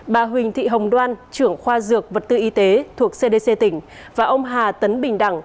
bà huỳnh thị hồng đoan trưởng khoa dược vật tư y tế thuộc cdc tỉnh và ông hà tấn bình đẳng